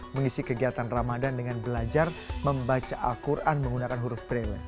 mengisi kegiatan ramadan dengan belajar membaca al quran menggunakan huruf b